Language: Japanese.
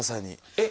えっ？